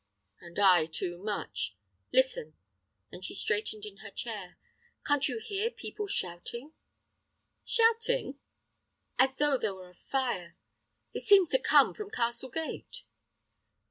"And I too much! Listen," and she straightened in her chair, "can't you hear people shouting?" "Shouting?" "Yes; as though there were a fire. It seems to come from Castle Gate."